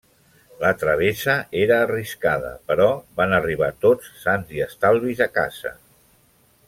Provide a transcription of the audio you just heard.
La travessa era arriscada però van arribar tots sans i estalvis a casa.